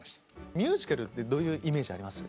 ミュージカルってどういうイメージあります？